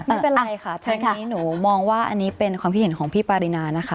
ไม่เป็นไรค่ะทีนี้หนูมองว่าอันนี้เป็นความคิดเห็นของพี่ปารินานะคะ